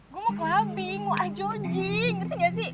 gue mau clubbing mau ajodjing ngerti gak sih